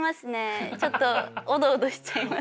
ちょっとおどおどしちゃいます。